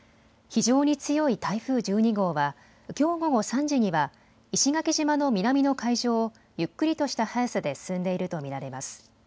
非常に強い台風１２号はきょう午後３時には石垣島の南の海上をゆっくりとした速さで進んでいると見られます。